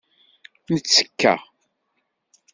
Nettekka.